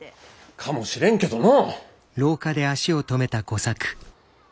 かもしれんけどの。